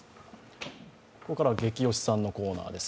ここからはゲキ推しさんのコーナーです。